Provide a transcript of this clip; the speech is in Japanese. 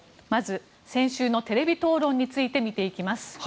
まず、先週のテレビ討論について見ていきます。